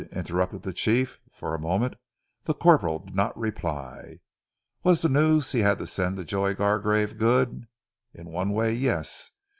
interrupted the chief. For a moment the corporal did not reply. Was the news he had to send Joy Gargrave good? In one way, yes!